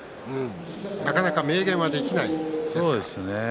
なかなか明言はできないですか？